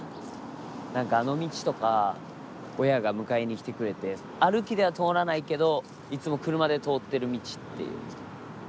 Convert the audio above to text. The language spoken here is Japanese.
何かあの道とか親が迎えに来てくれて歩きでは通らないけどいつも車で通ってる道っていう。